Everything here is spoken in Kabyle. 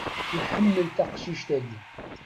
Iḥemmel taqcict-agi.